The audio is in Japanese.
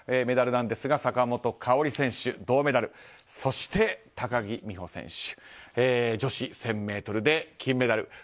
メダルなんですが坂本花織選手、銅メダルそして、高木美帆選手女子１０００ｍで金メダル。